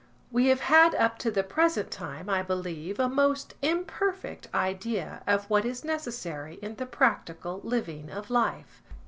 We have had up to the present time, I believe, a most imperfect idea of what is necessary in the practical living of life.